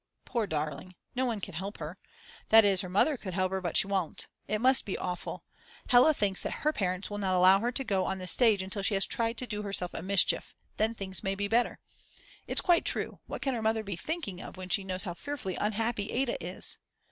Poor darling. No one can help her. That is, her Mother could help her but she won't. It must be awful. Hella thinks that her parents will not allow her to go on the stage until she has tried to do herself a mischief; then things may be better. It's quite true, what can her mother be thinking of when she knows how fearfully unhappy Ada is.